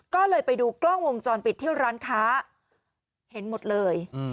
ก็เลยไปดูกล้องวงจรปิดที่ร้านค้าเห็นหมดเลย